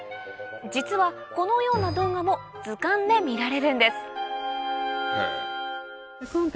実はこのような動画も図鑑で見られるんです今回。